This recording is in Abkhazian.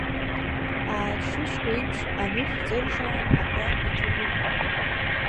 Аашьышь еиԥш анышә ҵыржаан, абра иҭагәыгәын…